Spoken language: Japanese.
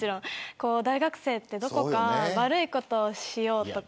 大学生はどこか悪いことをしようとか。